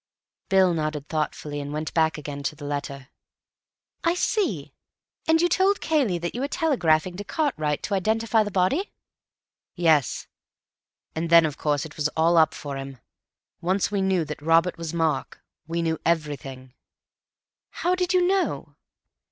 Bill nodded thoughtfully and went back again to the letter. "I see. And you told Cayley that you were telegraphing to Cartwright to identify the body?" "Yes. And then of course it was all up for him. Once we knew that Robert was Mark we knew everything." "How did you know?"